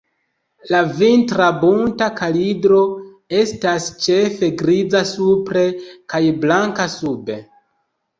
La vintra Bunta kalidro estas ĉefe griza supre kaj blanka sube.